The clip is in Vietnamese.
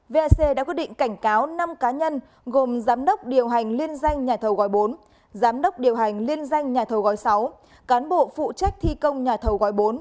vac đã quyết định cảnh cáo năm cá nhân gồm giám đốc điều hành liên danh nhà thầu gói bốn giám đốc điều hành liên danh nhà thầu gói sáu cán bộ phụ trách thi công nhà thầu gói bốn